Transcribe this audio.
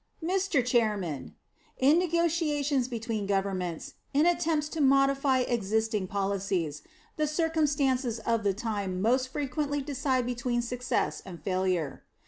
Mr. Chairman: In negotiations between governments, in attempts to modify existing policies, the circumstances of the time most frequently decide between success and failure.